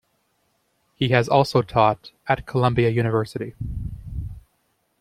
He has also taught at Columbia University.